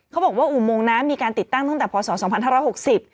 เขาบอกว่าอุโมงน้ำมีการติดตั้งตั้งแต่พศ๒๕๖๐